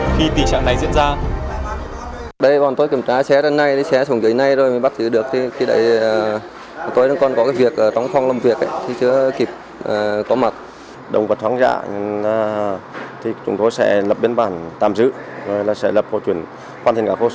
khi tình trạng này diễn ra